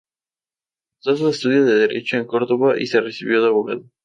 Cursó sus estudios de derecho en Córdoba y se recibió de abogado.